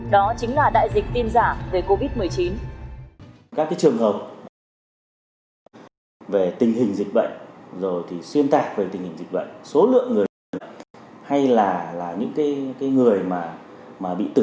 đó chính là đại dịch tin giả về covid một mươi chín